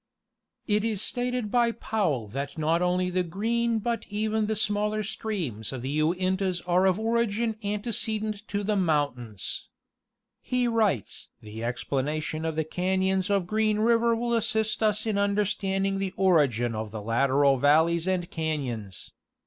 It is stated by Powell that not only the Green but even the smaller streams of the Uintas are of origin antecedent to the mountains. He writes: "the explanation of the cafions of Green river will assist us in understanding the origin of the lateral valleys and cafions.